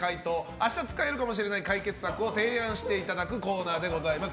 明日使えるかもしれない解決策を提案していただくコーナーです。